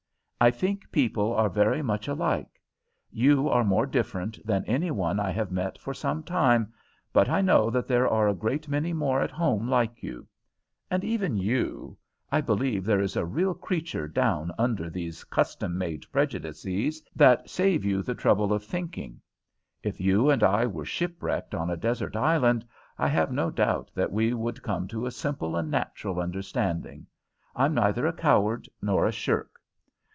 I think people are very much alike. You are more different than any one I have met for some time, but I know that there are a great many more at home like you. And even you I believe there is a real creature down under these custom made prejudices that save you the trouble of thinking. If you and I were shipwrecked on a desert island, I have no doubt that we would come to a simple and natural understanding. I'm neither a coward nor a shirk.